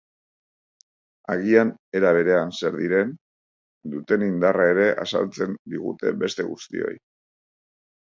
Agian era berean zer diren, duten indarra ere azaltzen digute beste guztioi.